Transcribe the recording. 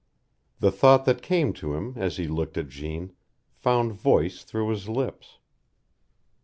The thought that came to him, as he looked at Jeanne, found voice through his lips.